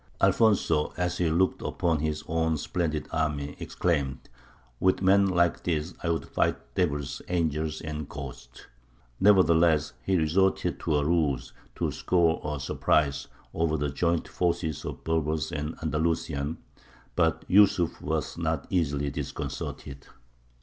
Alfonso, as he looked upon his own splendid army, exclaimed, "With men like these I would fight devils, angels, and ghosts!" Nevertheless he resorted to a ruse to score a surprise over the joint forces of the Berbers and Andalusian; but Yūsuf was not easily disconcerted.